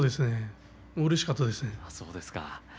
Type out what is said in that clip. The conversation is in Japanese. うれしかったです。